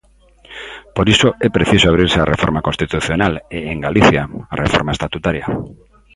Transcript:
Por iso é preciso abrirse á reforma constitucional e, en Galicia, á reforma estatutaria.